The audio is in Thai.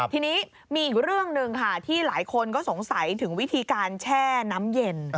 ทีนี้มีอีกเรื่องหนึ่งค่ะที่หลายคนก็สงสัยถึงวิธีการแช่น้ำเย็น